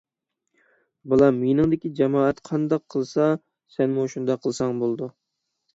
بالام، يېنىڭدىكى جامائەت قانداق قىلسا سەنمۇ شۇنداق قىلساڭ بولىدۇ.